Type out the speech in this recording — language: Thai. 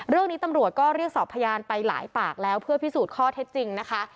เรื่องนี้ตำรวจก็เรียกสอบพยานไปหลายปากแล้วเพื่อพิสูจน์ข้อเท็จจริงนะคะ